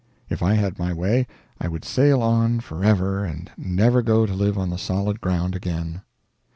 If I had my way I would sail on for ever and never go to live on the solid ground again.